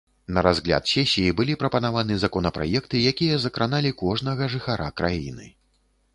На разгляд сесіі былі прапанаваны законапраекты, якія закраналі кожнага жыхара краіны.